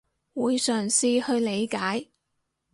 會嘗試去理解